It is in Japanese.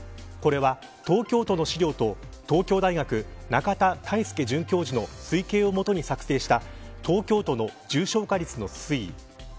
これは、東京都の資料と東京大学、仲田泰祐准教授の推計を基に作成した東京都の重症化率の推移。